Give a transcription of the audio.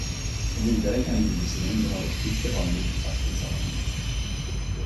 Vidare kan givetvis mängden uppgifter vara en viktig faktor i sammanhanget.